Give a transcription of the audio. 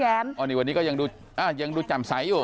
อันนี้ก็ยังดูจำไส้อยู่